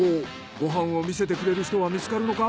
ご飯を見せてくれる人は見つかるのか？